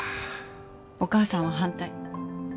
お母さんは反対。